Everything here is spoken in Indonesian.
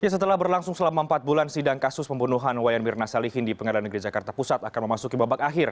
setelah berlangsung selama empat bulan sidang kasus pembunuhan wayan mirna salihin di pengadilan negeri jakarta pusat akan memasuki babak akhir